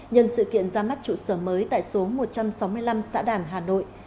nhân sự kiện ra mắt trụ sở mới tại số một trăm sáu mươi năm xã đàn hà nội